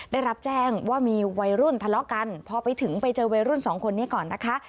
ได้รับแจ้งว่ามีวัยรุ่นทะเลาะกันพอไปถึงไปเจอวัยรุ่นสองคนนี้ก่อนนะคะ